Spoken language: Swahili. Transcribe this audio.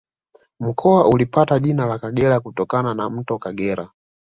Mkoa ulipata jina la Kagera kutokana na Mto Kagera